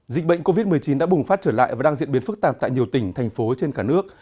dịch bệnh covid một mươi chín đã bùng phát trở lại và đang diễn biến phức tạp tại nhiều tỉnh thành phố trên cả nước